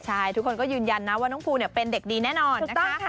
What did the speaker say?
ใช่ทุกคนก็ยืนยันนะว่าน้องภูเป็นเด็กดีแน่นอนนะคะ